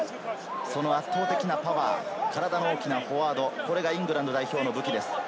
その圧倒的なパワー、体の大きなフォワード、これがイングランド代表の武器です。